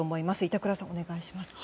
板倉さん、お願いします。